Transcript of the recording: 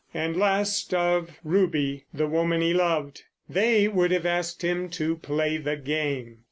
And last of Ruby, the woman he loved! They would have asked him to play the game.